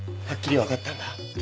はっきり分かったんだ。